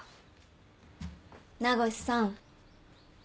名越さん。